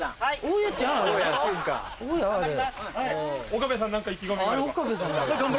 岡部さん何か意気込みがあれば。